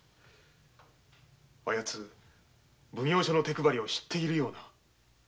あやつ奉行所の手配りを知っているような。